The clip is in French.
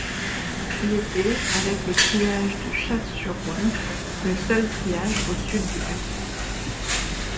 Il était, avec le triage de Chasse-sur-Rhône, le seul triage au sud de Lyon.